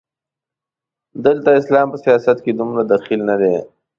دلته اسلام په سیاست کې دومره دخیل نه دی.